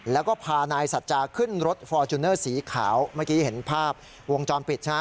แล้วก็พานายสัจจาขึ้นรถฟอร์จูเนอร์สีขาวเมื่อกี้เห็นภาพวงจรปิดใช่ไหม